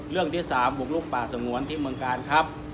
เรื่องที่๓บุกลุกป่าสงวนที่เมืองกาลครับ